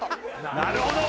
なるほど！